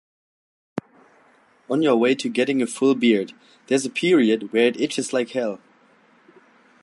On your way to getting a full beard, there’s a period where it itches like hell.